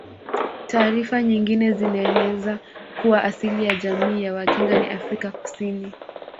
Taarifa nyingine zinaeleza kuwa asili ya jamii ya Wakinga ni Afrika Kusini